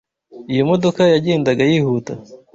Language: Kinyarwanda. Iyo modoka yagendaga yihuta.